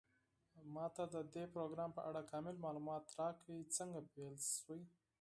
ما ته د دې پروګرام په اړه کامل معلومات راکړئ څنګه پیل شوی